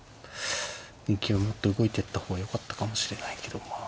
もっと動いてった方がよかったかもしれないけどまあ。